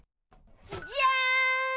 じゃん！